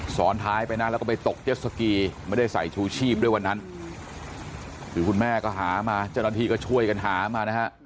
ซ้อนท้ายไปนะแล้วก็ไปตกเจ็ดสกีไม่ได้ใส่ชูชีพด้วยวันนั้นคือคุณแม่ก็หามาเจ้าหน้าที่ก็ช่วยกันหามานะฮะ